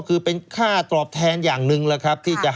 คุณนิวจดไว้หมื่นบาทต่อเดือนมีค่าเสี่ยงให้ด้วย